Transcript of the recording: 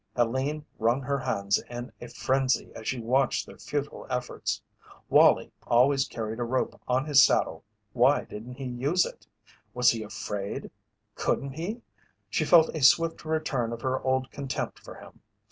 Helene wrung her hands in a frenzy as she watched their futile efforts. Wallie always carried a rope on his saddle, why didn't he use it? Was he afraid? Couldn't he? She felt a swift return of her old contempt for him.